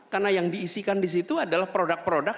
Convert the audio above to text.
karena yang diisikan disitu adalah produk produk